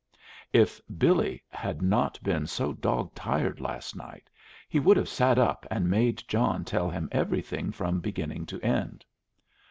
If Billy had not been so dog tired last night, he would have sat up and made John tell him everything from beginning to end.